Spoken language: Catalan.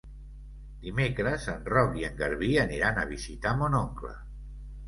Dimecres en Roc i en Garbí aniran a visitar mon oncle.